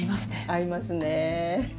合いますね。